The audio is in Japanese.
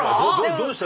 どうした？